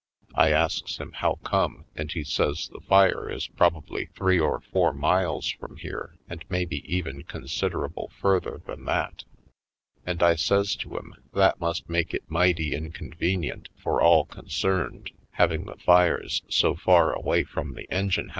I asks him how come, and he says the fire is probably three or four miles from here and maybe even considerable further than that. And I says to him, that must make it mighty in convenient for all concerned, having the fires so far away from the engine house. 66 J.